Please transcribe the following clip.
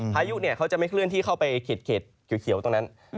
พายุเขาจะไม่เคลื่อนที่เข้าไปเขตเขียวตรงนั้น